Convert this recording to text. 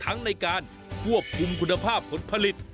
ทั้งในการควบคุมคุณภาพผลผลิต